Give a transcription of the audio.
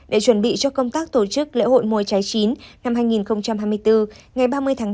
để chuẩn bị cho công tác tổ chức lễ hội mùa trái chín năm hai nghìn hai mươi bốn ngày ba mươi tháng bốn